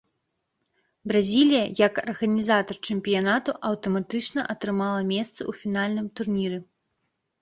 Бразілія як арганізатар чэмпіянату аўтаматычна атрымала месца ў фінальным турніры.